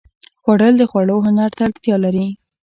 خوړل د خوړو هنر ته اړتیا لري